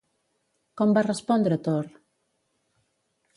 Com va respondre Thor?